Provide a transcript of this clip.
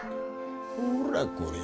ほらこれや。